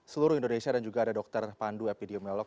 seluruh indonesia dan juga ada dokter pandu epidemiolog